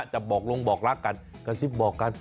จะบอกลงบอกรักกันกระซิบบอกกัน